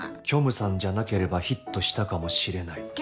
虚無さんじゃなければヒットしたかもしれない。